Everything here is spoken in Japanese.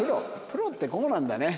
プロってこうなんだね。